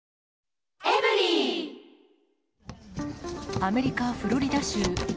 アメリカ・フロリダ州。